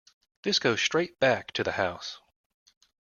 This goes straight back to the house!